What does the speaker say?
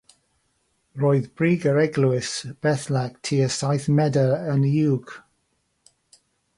Roedd brig yr eglwys bellach tua saith medr yn uwch.